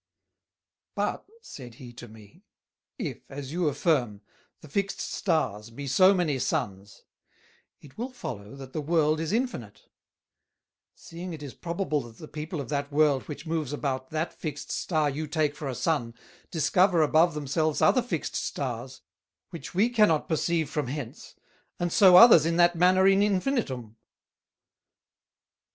"But," said he to me, "[if,] as you affirm, the fixed Stars be so many Suns, it will follow that the World is infinite; seeing it is probable that the People of that World which moves about that fixed Star you take for a Sun, discover above themselves other fixed Stars, which we cannot perceive from hence, and so others in that manner in infinitum."